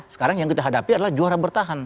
sekarang yang kita hadapi adalah juara bertahan